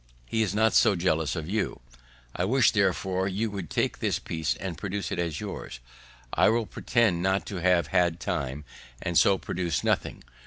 He is not so jealous of you; I wish, therefore, you would take this piece, and produce it as yours; I will pretend not to have had time, and so produce nothing.